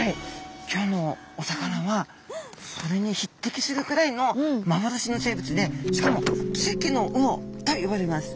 今日のお魚はそれに匹敵するくらいの幻の生物でしかも「奇跡の魚」と呼ばれます。